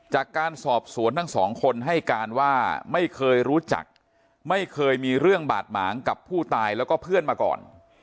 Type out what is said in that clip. จากการสอบสวนทั้งสองคนให้การว่าไม่เคยรู้จักไม่เคยมีเรื่องบาดหมางกับผู้ตายแล้วก็เพื่อนมาก่อน